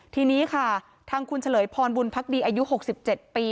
ทีนี้ค่ะทางคุณเฉลยพรบุญพักดีอายุ๖๗ปี